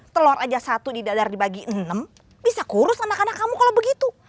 telur saja satu didadar dibagi enam bisa kurus anak anak kamu kalau begitu